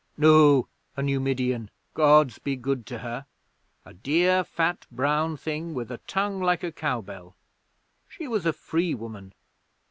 'No, a Numidian. Gods be good to her! A dear, fat, brown thing with a tongue like a cowbell. She was a free woman.